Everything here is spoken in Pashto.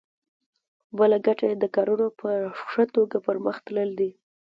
بله ګټه یې د کارونو په ښه توګه پرمخ تلل دي.